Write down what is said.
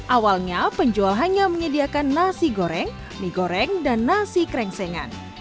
awalnya penjual hanya menyediakan nasi goreng mie goreng dan nasi krengsengan